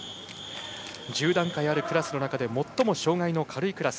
１０段階あるクラスの中で最も障がいの軽いクラス。